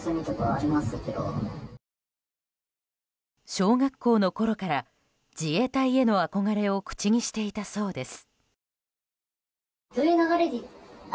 小学校のころから自衛隊への憧れを口にしていたそうです。